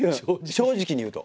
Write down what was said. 正直に言うと。